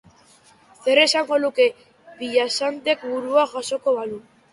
Zer esango luke Villasantek burua jasoko balu?